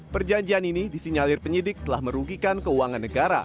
perjanjian ini disinyalir penyidik telah merugikan keuangan negara